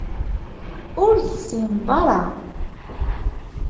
Ur tessineḍ ara.